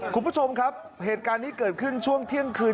คุณผู้ชมครับเหตุการณ์นี้เกิดขึ้นช่วงเที่ยงคืน